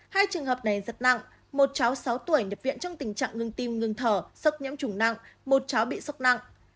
hai trường hợp này rất nặng một cháu sáu tuổi nhập viện trong tình trạng ngưng tim ngưng thở sốc nhiễm trùng nặng một cháu bị sốc nặng